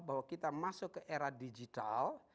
bahwa kita masuk ke era digital